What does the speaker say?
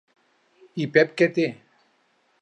I Pep què té?